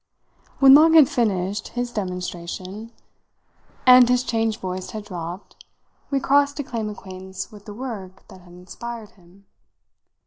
When Long had finished his demonstration and his charged voice had dropped, we crossed to claim acquaintance with the work that had inspired him.